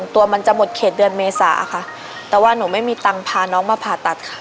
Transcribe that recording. แต่ว่าหนูไม่มีตังค์พาน้องมาผ่าตัดค่ะ